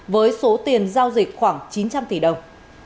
với số tiền giao dịch khoảng chín trăm linh tỷ đồng